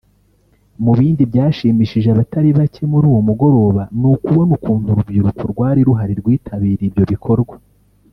Mu bindi byashimishije abatari bacye muri uwo mugoroba ni ukubona ukuntu urubyiruko rwari ruhari rwitabiriye ibyo bikorwa